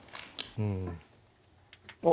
うん。